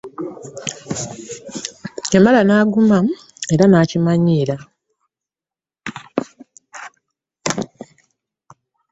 Yamala naguma era nakimanyiira .